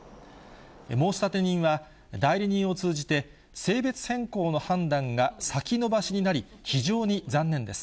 申立人は代理人を通じて、性別変更の判断が先延ばしになり、非常に残念です。